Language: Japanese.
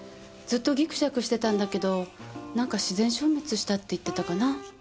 ずっとギクシャクしてたんだけどなんか自然消滅したって言ってたかな。